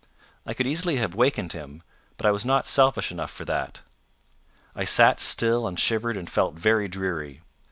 I could easily have waked him, but I was not selfish enough for that: I sat still and shivered and felt very dreary.